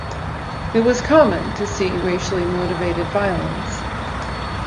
It was common to see racially motivated violence.